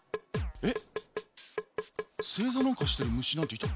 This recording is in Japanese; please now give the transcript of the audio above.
えっ？